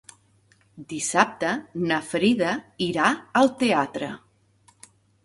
Dissabte na Frida irà al teatre.